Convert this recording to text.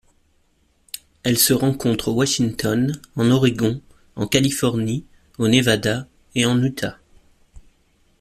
Elle se rencontre au Washington, en Oregon, en Californie, au Nevada et en Utah.